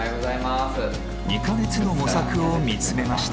２か月の模索を見つめました。